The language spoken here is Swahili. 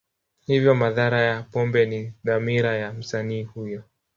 Hivyo, madhara ya pombe ni dhamira ya msanii huyo.